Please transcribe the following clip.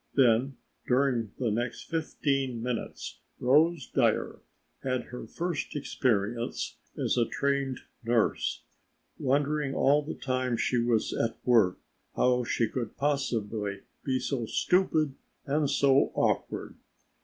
Then during the next fifteen minutes Rose Dyer had her first experience as a trained nurse, wondering all the time she was at work how she could possibly be so stupid and so awkward.